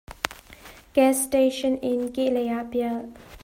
Gas station in kehlei ah pial.